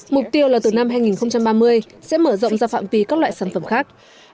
mục tiêu là từ năm hai nghìn ba mươi sẽ mở rộng ra phạm vi các loại sản phẩm khác